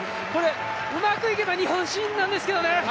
うまくいけば日本新なんですけどね。